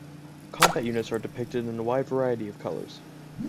Combat units are depicted in a wide variety of colours.